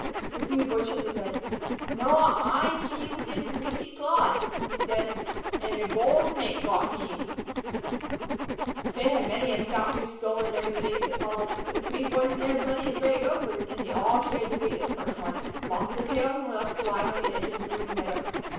The Swede boy shook his head. "Noa; ay keel hame weeth a clode," he said, "an' a bole snake gote hame." They had many a stout noose stolen during the days that followed. But the Swede boy snared plenty of gray gophers, and they all shared the fate of the first one, lost their tails and were left to lie on the edge of the ruined meadow.